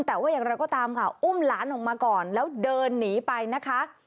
แต่ว่าอย่างไรก็ตามค่ะอุ้มหลานออกมาก่อนแล้วเดินหนีไปนะคะ